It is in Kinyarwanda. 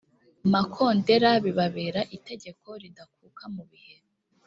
makondera bibabere itegeko ridakuka mu bihe